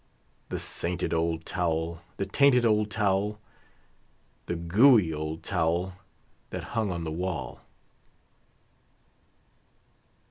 The sainted old towel, the tainted old towel, The gooey old towel that hung on the wall.